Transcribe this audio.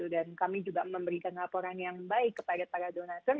dan kami juga memberikan laporan yang baik kepada para donator